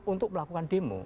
untuk melakukan demo